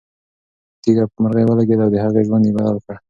تیږه په مرغۍ ولګېده او د هغې ژوند یې بدل کړ.